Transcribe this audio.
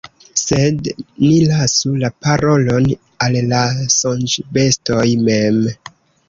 Sed ni lasu la parolon al la Sonĝbestoj mem.